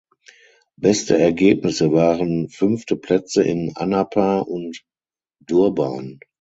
Beste Ergebnisse waren fünfte Plätze in Anapa und Durban.